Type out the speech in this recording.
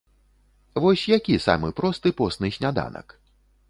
Вось які самы просты посны сняданак?